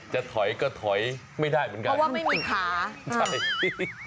จะถอยก็ถอยไม่ได้เหมือนกันเพราะว่าไม่มีสินค้าใช่